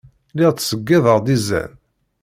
Lliɣ ttṣeyyideɣ-d izan.